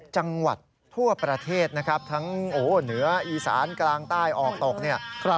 ๖จังหวัดทั่วประเทศทั้งเหนืออีสานกลางใต้ออกตก